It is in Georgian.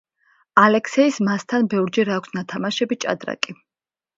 ალექსეის მასთან ბევრჯერ აქვს ნათამაშები ჭადრაკი.